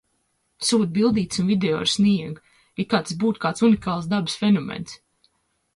Sūta bildītes un video ar sniegu. It kā tas būtu kāds unikāls dabas fenomens.